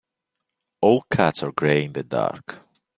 All cats are grey in the dark.